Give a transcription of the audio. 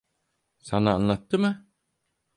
Sana anlattı mı?